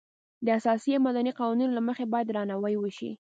د اساسي او مدني قوانینو له مخې باید درناوی وشي.